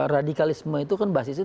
radikalisme itu kan